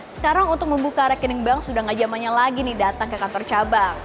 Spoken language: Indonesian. sekarang untuk membuka rekening bank sudah gak jamannya lagi nih datang ke kantor cabang